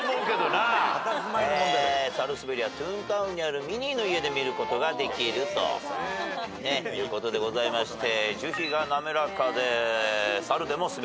サルスベリはトゥーンタウンにあるミニーの家で見ることができるということでございまして。